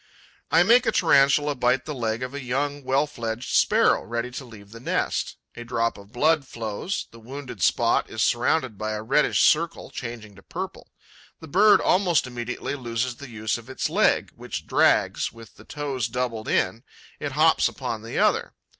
I make a Tarantula bite the leg of a young, well fledged Sparrow, ready to leave the nest. A drop of blood flows; the wounded spot is surrounded by a reddish circle, changing to purple. The bird almost immediately loses the use of its leg, which drags, with the toes doubled in; it hops upon the other.